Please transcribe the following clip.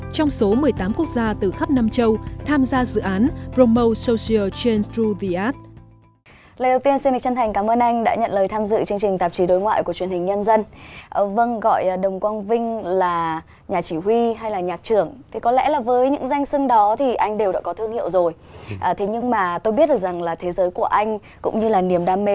trong số một mươi tám quốc gia từ khắp nam châu tham gia dự án promo social change through the act